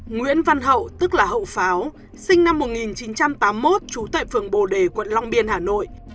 nguyễn văn hậu tức là hậu pháo sinh năm một nghìn chín trăm tám mươi một trú tại phường bồ đề quận long biên hà nội